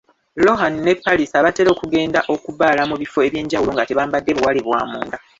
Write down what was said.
Lohan ne Palis abatera okugenda okubbaala mu bifo eby’enjawulo nga tebambadde buwale bw’amunda.